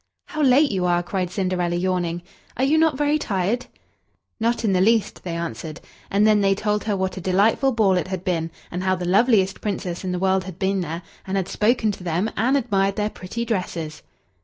"How late you are!" cried Cinderella, yawning. "Are you not very tired?" "Not in the least," they answered, and then they told her what a delightful ball it had been, and how the loveliest Princess in the world had been there, and had spoken to them, and admired their pretty dresses.